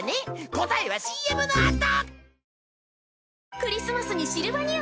答えはＣＭのあと。